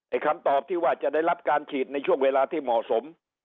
คำตอบที่ว่าจะได้รับการฉีดในช่วงเวลาที่เหมาะสม